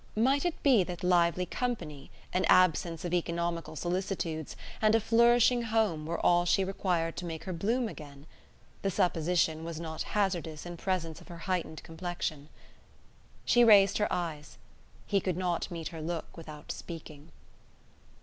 Might it be that lively company, an absence of economical solicitudes, and a flourishing home were all she required to make her bloom again? The supposition was not hazardous in presence of her heightened complexion. She raised her eyes. He could not meet her look without speaking.